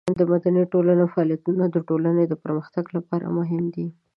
د مدني ټولنې فعالیتونه د ټولنې د پرمختګ لپاره مهم دي.